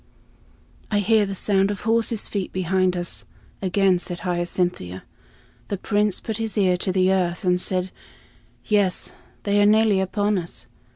"I hear the sound of horses' feet behind us," again said Hyacinthia. The Prince put his ear to the earth and said, "Yes, they are nearly upon us."